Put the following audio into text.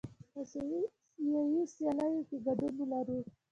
آسیایي سیالیو کې ګډون لرو.